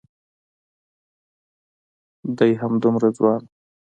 دای همدومره ځوان و.